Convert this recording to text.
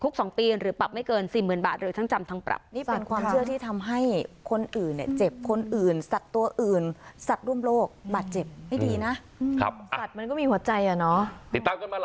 คนอื่นเนี้ยเจ็บคนอื่นสัตว์ตัวอื่นสัตว์ร่วมโลกบาดเจ็บไม่ดีนะครับสัตว์มันก็มีหัวใจอ่ะเนาะติดตามกันมา